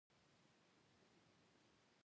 کوچي ډیر شي